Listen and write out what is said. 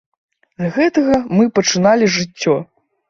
З гэтага мы пачыналі жыццё.